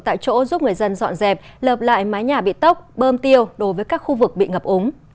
tại chỗ giúp người dân dọn dẹp lợp lại mái nhà bị tốc bơm tiêu đối với các khu vực bị ngập ống